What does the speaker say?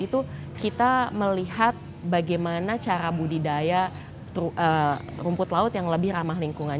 itu kita melihat bagaimana cara budidaya rumput laut yang lebih ramah lingkungan